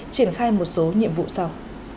triển khai một số nhiệm vụ sau